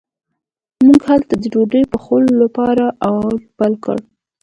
موږ هلته د ډوډۍ پخولو لپاره اور بل کړ.